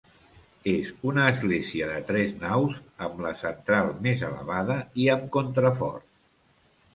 És una església de tres naus amb la central més elevada i amb contraforts.